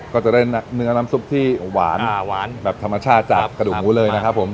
ก็จะได้เนื้อน้ำซุปที่หวานแบบธรรมชาติจากกระดูกหมูเลยนะครับผม